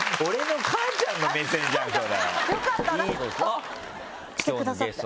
あっ！来てくださって。